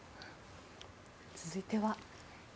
続いては。